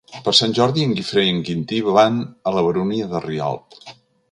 Per Sant Jordi en Guifré i en Quintí van a la Baronia de Rialb.